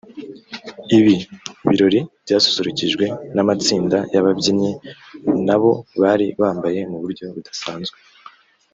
Ibi birori byasusurukijwe n’amatsinda y’ababyinnyi na bo bari bambaye mu buryo budasanzwe